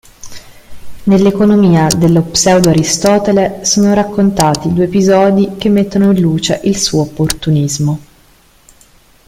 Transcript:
Nell"'Oeconomia" dello Pseudo-Aristotele sono raccontati due episodi che mettono in luce il suo opportunismo.